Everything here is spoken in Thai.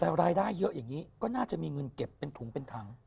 แต่รายได้เยอะอย่างนี้ก็น่าจะมีเงินเก็บเป็นถุงเป็นถัง